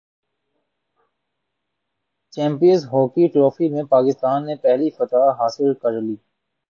champions hockey trophy میں پاکستان نے پہلی فتح حاصل کرلی